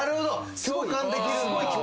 共感できるんだ。